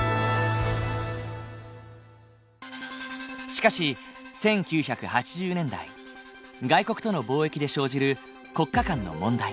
しかし１９８０年代外国との貿易で生じる国家間の問題